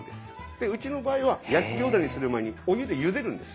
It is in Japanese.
でうちの場合は焼き餃子にする前にお湯でゆでるんです